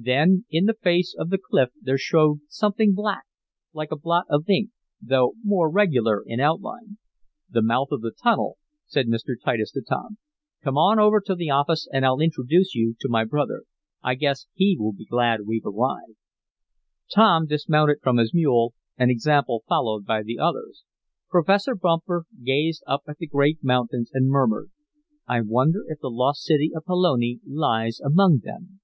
Then, in the face of the cliff there showed something black like a blot of ink, though more regular in outline. "The mouth of the tunnel," said Mr. Titus to Tom. "Come on over to the office and I'll introduce you to my brother. I guess he will be glad we've arrived." Tom dismounted from his mule, an example followed by the others. Professor Bumper gazed up at the great mountains and murmured: "I wonder if the lost city of Pelone lies among them?"